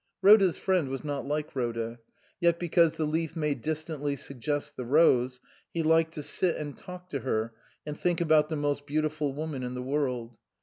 Rhoda's friend was not like Rhoda ; yet because the leaf may distantly suggest the rose, he liked to sit and talk to her and think about the most beautiful woman in the world.